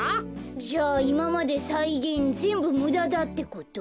じゃあいままでさいげんぜんぶむだだってこと？